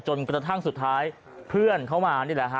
จนกระทั่งสุดท้ายเพื่อนเขามานี่แหละฮะ